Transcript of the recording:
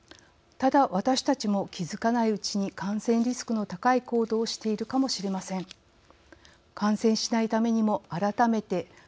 ただ私たちも気づかないうちに感染リスクの高い行動をしているかもしれません。